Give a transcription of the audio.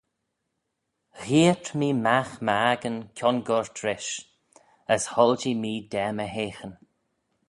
Gheayrt mee magh my accan kiongoyrt rish: as hoilshee mee da my heaghyn.